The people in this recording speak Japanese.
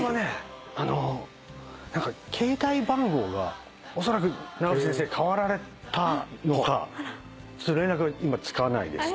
あの携帯番号がおそらく長渕先生替わられたのかちょっと連絡が今つかないです。